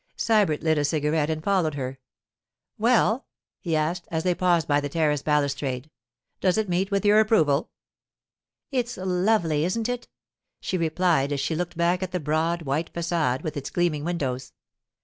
Sybert lit a cigarette and followed her. 'Well?' he asked, as they paused by the terrace balustrade. 'Does it meet with your approval?' 'It's lovely, isn't it?' she replied as she looked back at the broad, white façade with its gleaming windows.